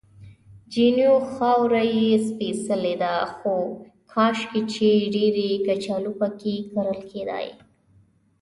جینو: خاوره یې سپېڅلې ده، خو کاشکې چې ډېرې کچالو پکې کرل کېدای.